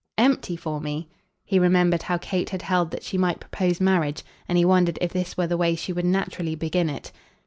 "Empty for me?" He remembered how Kate had held that she might propose marriage, and he wondered if this were the way she would naturally begin it.